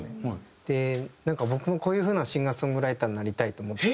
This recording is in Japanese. でなんか僕もこういう風なシンガー・ソングライターになりたいと思って。